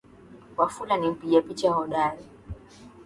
Wafula ni mpiga picha hodari.